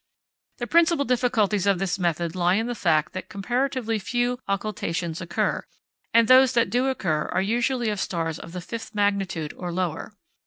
The principal difficulties of this method lie in the fact that comparatively few occultations occur, and those which do occur are usually of stars of the fifth magnitude or lower.